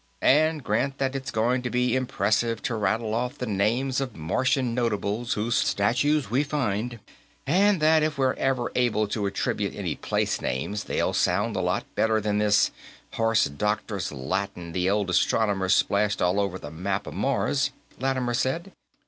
And grant that it's going to be impressive to rattle off the names of Martian notables whose statues we find, and that if we're ever able to attribute any placenames, they'll sound a lot better than this horse doctors' Latin the old astronomers splashed all over the map of Mars," Lattimer said.